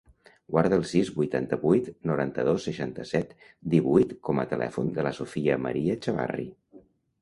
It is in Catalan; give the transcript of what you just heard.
Guarda el sis, vuitanta-vuit, noranta-dos, seixanta-set, divuit com a telèfon de la Sofia maria Chavarri.